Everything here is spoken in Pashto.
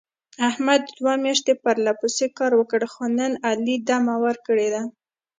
احمد دوه میاشتې پرله پسې کار وکړ. خو نن علي دمه ور کړې ده.